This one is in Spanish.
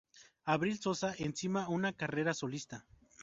Abril Sosa encamina una carrera solista.